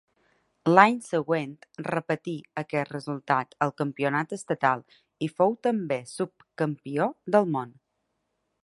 L'any següent repetí aquest resultat al campionat estatal i fou també subcampió del món.